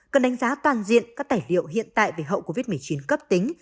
cần đánh giá toàn diện các tài liệu hiện tại về hậu covid một mươi chín cấp tính